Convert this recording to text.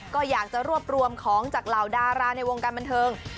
ก็อยากจะรวบรวมของจากเหล่าดาราในวงการบันเทิง